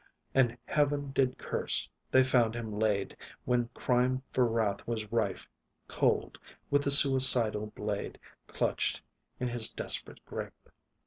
And heaven did curse they found him laid, When crime for wrath was rife, Cold with the suicidal blade Clutched in his desperate gripe.